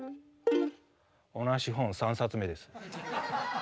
同じ本３冊目です。